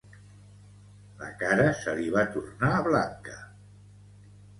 La cara se li va tornar blanca.